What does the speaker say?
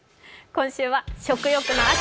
今週は「食欲の秋！